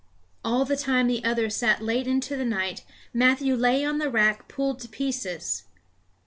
All the time the others sat late into the night Matthew lay on the rack pulled to pieces.